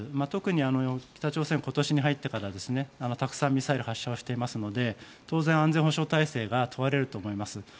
特に北朝鮮は今年に入ってからたくさんミサイルを発射していますので当然、安全保障体制が問われると思います。